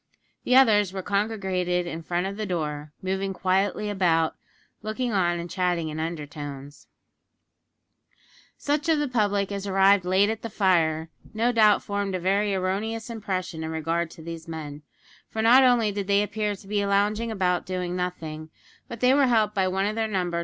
The others were congregated in front of the door, moving quietly about, looking on and chatting in undertones. Such of the public as arrived late at the fire no doubt formed a very erroneous impression in regard to these men, for not only did they appear to be lounging about doing nothing, but they were helped by one of their number to a glass of brandy such of them at least as chose to take it.